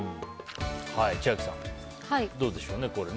千秋さん、どうでしょう。